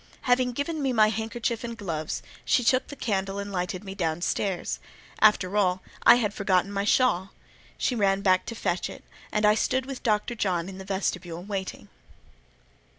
Having given me my handkerchief and gloves, she took the candle and lighted me down stairs. After all, I had forgotten my shawl; she ran back to fetch it; and I stood with Dr. John in the vestibule, waiting.